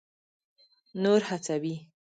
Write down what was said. نور هڅوي.